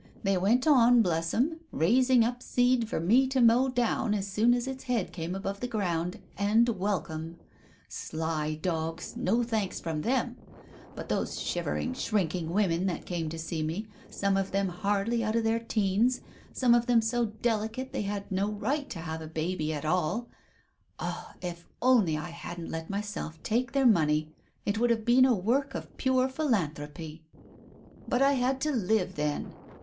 They went on, bless 'em, raising up seed for me to mow down as soon as its head came above ground, and welcome ! Sly dogs, no thanks from them ! But those shivering, shrinking women that came to me, some of them hardly out of their teens, some of them so delicate they had no right to have a baby at all !— Ah, if only I hadn't let myself take their money it would have been a work of pure philanthropy. But I had to live, then